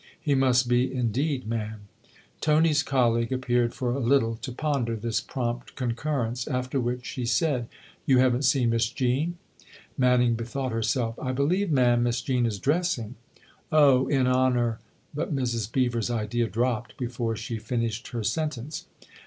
" He must be indeed, ma'am." Tony's colleague appeared for a little to ponder this prompt concurrence ; after which she said :" You haven't seen Miss Jean ?" THE OTHER HOUSE 115 Manning bethought herself. " I believe, ma'am, Miss Jean is dressing." " Oh, in honour " But Mrs. Beever's idea dropped before she finished her sentence.